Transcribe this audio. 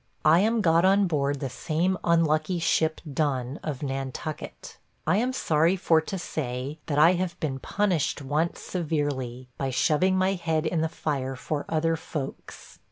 I am got on board the same unlucky ship Done, of Nantucket. I am sorry for to say, that I have been punished once severely, by shoving my head in the fire for other folks.